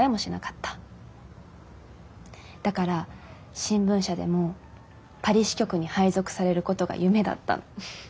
だから新聞社でもパリ支局に配属されることが夢だった。